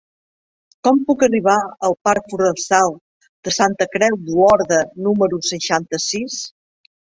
Com puc arribar al parc Forestal de Santa Creu d'Olorda número seixanta-sis?